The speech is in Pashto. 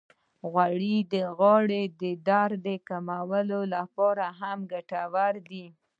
غوړې د غاړې د درد کمولو لپاره هم ګټورې دي.